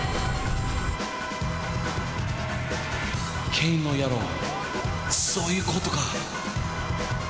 ケインの野郎そういうことか